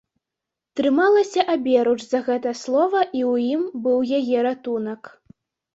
Трымалася аберуч за гэта слова, і ў ім быў яе ратунак.